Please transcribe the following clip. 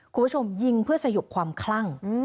คุณผู้ชมยิงเพื่อสยบความคลั่ง